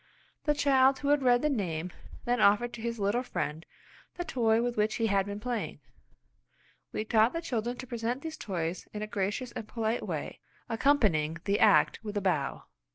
The child who had read the name then offered to his little friend the toy with which he had been playing. We taught the children to present these toys in a gracious and polite way, accompanying the act with a bow.